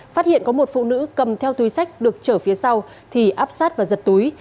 phát hiện có một phụ nữ cầm theo túi sách được trở phía sau thì áp sát và giật túi